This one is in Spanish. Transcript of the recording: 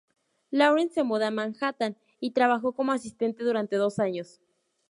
Lawrence, se muda a Manhattan y trabajó como asistente durante dos años.